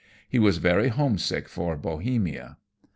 He was very homesick for Bohemia.